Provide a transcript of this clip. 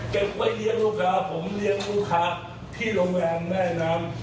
เก็บไว้เลี้ยงลูกค้าผมเลี้ยงลูกค้าที่โรงแรมแม่น้ำ